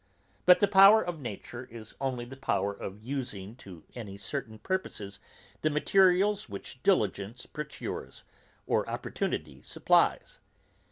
_ But the power of nature is only the power of using to any certain purpose the materials which diligence procures, or opportunity supplies.